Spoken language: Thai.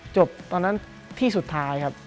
ตอนนั้นที่สุดท้ายครับ